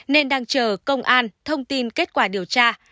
nên đang chờ công an thông tin kết quả điều tra